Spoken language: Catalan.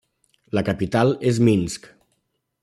La capital és Minsk.